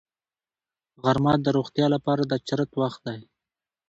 غرمه د روغتیا لپاره د چرت وخت دی